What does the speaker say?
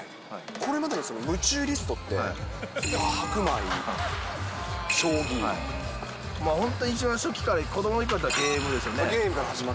これまでに夢中リストって白本当に一番初期から、子どものころからならゲームですよね。